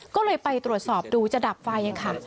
ก็เลยไปตรวจสอบดูจะดับไฟค่ะ